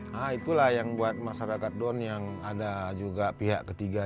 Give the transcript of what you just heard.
nah itulah yang buat masyarakat don yang ada juga pihak ketiga